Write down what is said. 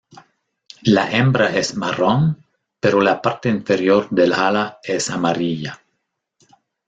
La hembra es marrón, pero la parte inferior del ala es amarilla.